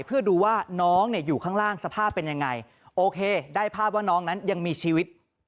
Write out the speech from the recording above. เพื่อดูว่าน้องเนี่ยอยู่ข้างล่างสภาพเป็นยังไงโอเคได้ภาพว่าน้องนั้นยังมีชีวิต